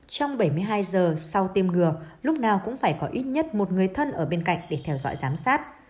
trong bảy mươi hai giờ sau tiêm ngừa lúc nào cũng phải có ít nhất một người thân ở bên cạnh để theo dõi giám sát